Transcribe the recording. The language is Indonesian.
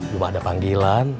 juga ada panggilan